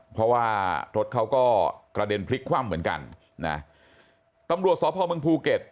เพราะว่ารถเขาก็กระเด็นพลิกคว่ำเหมือนกันนะตำรวจสพมภูเก็ต